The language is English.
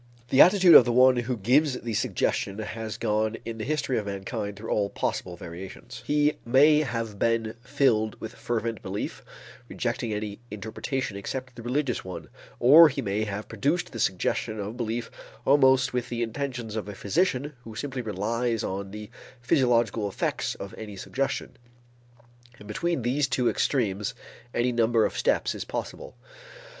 The attitude of the one who gives the suggestion has gone in the history of mankind through all possible variations. He may have been filled with fervent belief, rejecting any interpretation except the religious one, or he may have produced the suggestion of belief almost with the intentions of a physician who simply relies on the physiological effects of any suggestion; and between these two extremes any number of steps is possible.